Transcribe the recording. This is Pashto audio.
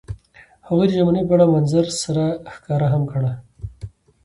هغوی د ژمنې په بڼه منظر سره ښکاره هم کړه.